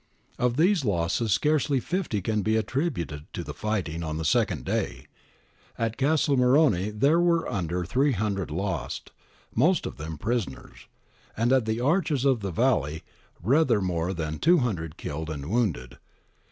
Of these losses scarcely fifty can be attributed to the fighting on the second day ; at Castel Morrone there were under 300 lost, most of them prisoners ; and at the Arches of the Valley rather more than 200 killed and wounded.